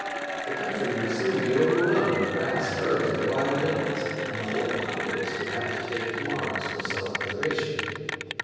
The country would soon be overrun with vast herds of wild animals and the whole populace would have to take to arms for self preservation.